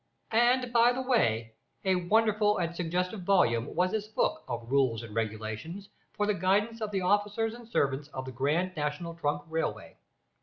And, by the way, a wonderful and suggestive volume was this book of "Rules and Regulations for the guidance of the officers and servants of the Grand National Trunk Railway."